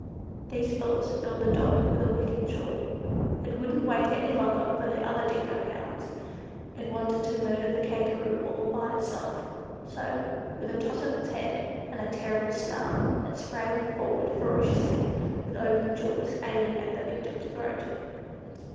These thoughts filled the dog with a wicked joy. It wouldn't wait any longer for the other dingo hounds. It wanted to murder the Kangaroo all by itself; so, with a toss of its head, and a terrible snarl, it sprang forward ferociously, with open jaws, aiming at the victim's throat.